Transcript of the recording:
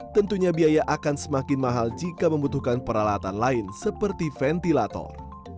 tentunya biaya akan semakin mahal jika membutuhkan peralatan lain seperti ventilator